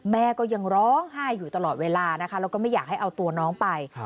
แม่ก็ยังร้องไห้อยู่ตลอดเวลานะคะแล้วก็ไม่อยากให้เอาตัวน้องไป